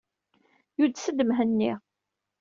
Yudes-d Mhenni.